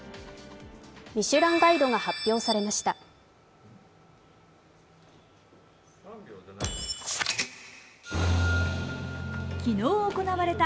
「ミシュランガイド」が発表されました。